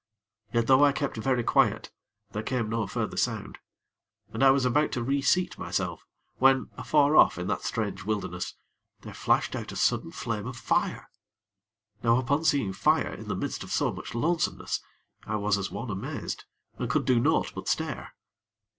Yet, though I kept very quiet, there came no further sound, and I was about to re seat myself, when, afar off in that strange wilderness, there flashed out a sudden flame of fire. Now upon seeing fire in the midst of so much lonesomeness, I was as one amazed, and could do naught but stare.